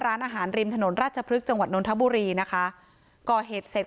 ร้านอาหารริมถนนราชพฤกษ์จังหวัดนทบุรีนะคะก่อเหตุเสร็จ